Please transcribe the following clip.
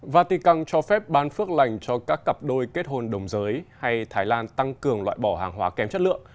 vatican cho phép bán phước lành cho các cặp đôi kết hôn đồng giới hay thái lan tăng cường loại bỏ hàng hóa kém chất lượng